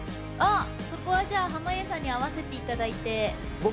そこは濱家さんに合わせていただいて。